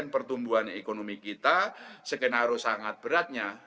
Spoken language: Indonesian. pertumbuhan ekonomi kita skenario sangat beratnya